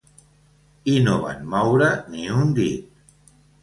I no van moure ni un dit.